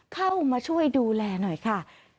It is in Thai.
เข้ามาช่วยดูแลหน่อยค่ะ